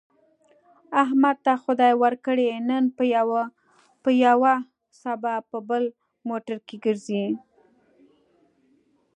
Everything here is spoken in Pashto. احمد ته خدای ورکړې، نن په یوه سبا په بل موټر کې ګرځي.